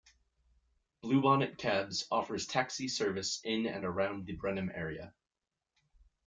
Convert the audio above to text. Bluebonnet Cabs offers taxi service in and around the Brenham area.